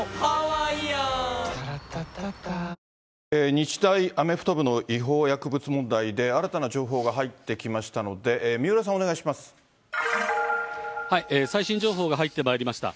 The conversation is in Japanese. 日大アメフト部の違法薬物問題で、新たな情報が入ってきましたので、最新情報が入ってまいりました。